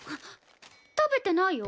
食べてないよ。